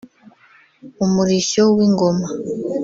Umurishyo w’ingoma